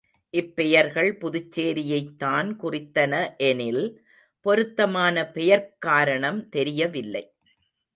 இப்பெயர்கள் புதுச்சேரியைத்தான் குறித்தன எனில், பொருத்தமான பெயர்க்காரணம் தெரியவில்லை.